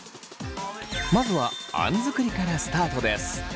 まずはあん作りからスタートです。